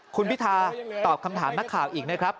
คุณพิธาตอบคำถามนักข่าวอีกนะครับ